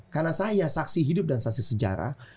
karena saya saksi hidup dan saksi sejarah